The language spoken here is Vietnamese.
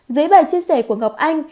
dưới bài chia sẻ của ngọc anh